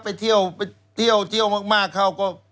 ไปเที่ยวไปเที่ยวเที่ยวมากเขาก็